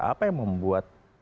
apa yang membuat